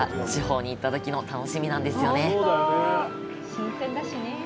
新鮮だしね。